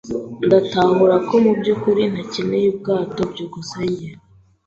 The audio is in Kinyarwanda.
Ndatahura ko mu byukuri ntakeneye ubwato. byukusenge